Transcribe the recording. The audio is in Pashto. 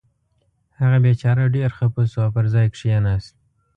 هغه بېچاره ډېر خفه شو او پر ځای کېناست.